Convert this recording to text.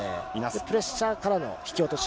プレッシャーからの引き落とし。